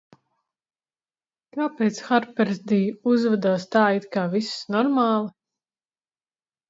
Kāpēc Harpersd uzvedās tā, it kā viss normāli?